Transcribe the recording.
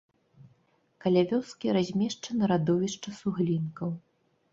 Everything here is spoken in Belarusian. Каля вёскі размешчана радовішча суглінкаў.